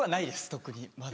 特にまだ。